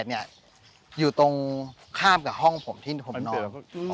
ชื่องนี้ชื่องนี้ชื่องนี้ชื่องนี้ชื่องนี้ชื่องนี้